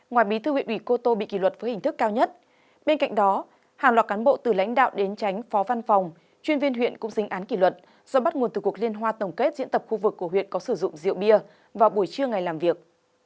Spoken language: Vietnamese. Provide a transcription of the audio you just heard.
ngoài bí thư huyện ủy cô tô bị kỷ luật với hình thức cao nhất bên cạnh đó hàng loạt cán bộ từ lãnh đạo đến tránh phó văn phòng chuyên viên huyện cũng dính án kỷ luật do bắt nguồn từ cuộc liên hoan tổng kết diễn tập khu vực của huyện có sử dụng rượu bia vào buổi trưa ngày làm việc